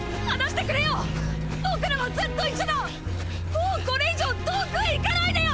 もうこれ以上遠くへ行かないでよ！！